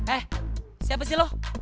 eh siapa sih lo